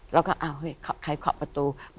เราฆ่าเคราะห์ไปเคราะห์ประตู